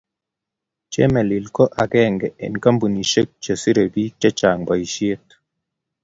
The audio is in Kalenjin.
Chemelil ko akenge eng kampunishe che serei biik che chang boisie.